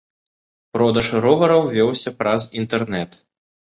Продаж ровараў вёўся праз інтэрнэт.